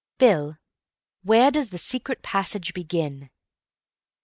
Bill, where does the secret passage begin?"